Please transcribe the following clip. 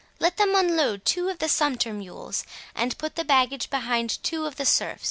Let them unload two of the sumpter mules, and put the baggage behind two of the serfs.